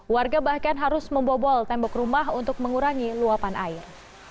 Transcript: warga bahkan harus membobol tembok rumah untuk mengurangi luapan air